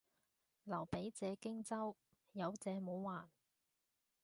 劉備借荊州，有借冇還